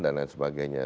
dan lain sebagainya